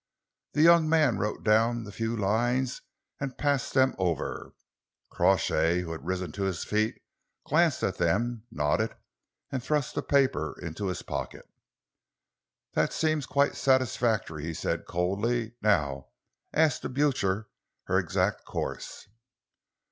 The young man wrote down the few lines and passed them over. Crawshay, who had risen to his feet, glanced at them, nodded, and thrust the paper into his pocket. "That seems quite satisfactory," he said coldly. "Now ask the Blucher her exact course?"